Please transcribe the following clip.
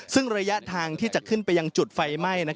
ซึ่งระยะทางที่จะขึ้นไปยังจุดไฟไหม้